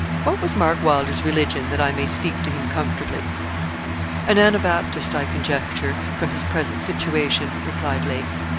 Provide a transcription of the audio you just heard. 'What was Mark Wylder's religion, that I may speak to him comfortably?' 'An Anabaptist, I conjecture, from his present situation,' replied Lake.